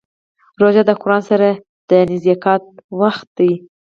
روژه د قرآن سره د نزدېکت وخت دی.